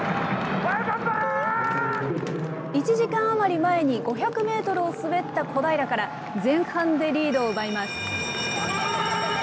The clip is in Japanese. １時間余り前に５００メートルを滑った小平から、前半でリードを奪います。